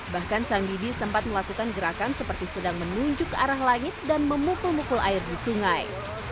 bahkan sang didi sempat melakukan gerakan seperti sedang menunjuk ke arah langit dan memukul mukul air di sungai